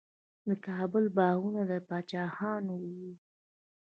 د کابل باغونه د پاچاهانو وو.